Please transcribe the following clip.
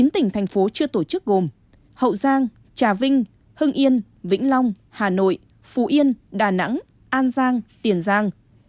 một mươi tỉnh thành phố chưa tổ chức gồm hậu giang trà vinh hưng yên vĩnh long hà nội phú yên đà nẵng an giang tiền giang